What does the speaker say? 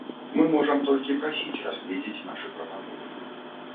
Мы можам толькі прасіць разгледзець нашыя прапановы.